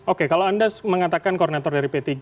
oke kalau anda mengatakan koordinator dari p tiga